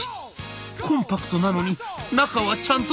「コンパクトなのに中はちゃんと空洞。